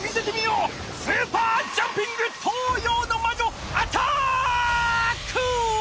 スーパージャンピングとうようのまじょアタック！